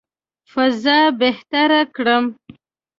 فضا بهتره کړم.